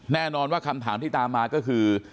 แน่นอนว่าคำถามที่ตามมาก็คือ